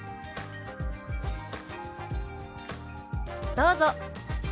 どうぞ。